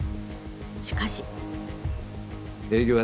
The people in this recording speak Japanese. しかし。